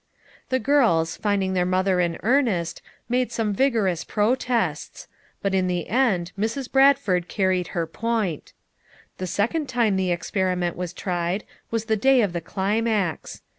The girls, finding their mother in earnest, made some vigorous protests, but in the end Mrs. Bradford carried her point. The second time the experiment was tried was the day of the climax.